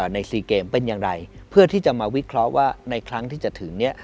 ใน๔เกมเป็นอย่างไรเพื่อที่จะมาวิเคราะห์ว่าในครั้งที่จะถึงเนี่ย